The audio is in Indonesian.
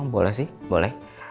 boleh sih boleh